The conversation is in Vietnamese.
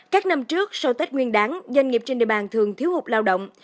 các năm trước sau tết nguyên đáng doanh nghiệp trên địa bàn thường thiếu hụt lao động